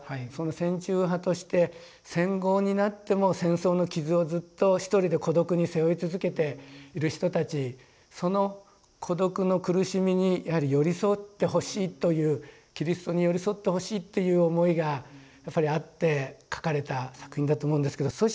その戦中派として戦後になっても戦争の傷をずっと一人で孤独に背負い続けている人たちその孤独の苦しみにやはり寄り添ってほしいというキリストに寄り添ってほしいっていう思いがやっぱりあって書かれた作品だと思うんですけど。